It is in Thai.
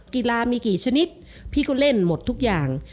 กีฬามีกี่ชนิดพี่ก็เล่นหมดทุกอย่าง